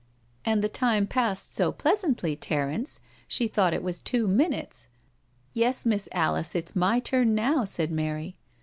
" And the time passed so pleasantly, Terence, she thought it was two minutes. Yes, Miss Alice, it's my turn now,'* said Mary.